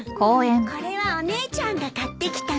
これはお姉ちゃんが買ってきたミカン。